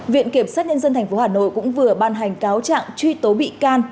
viện kiểm sát nhân dân tp hà nội cũng vừa ban hành cáo trạng truy tố bị can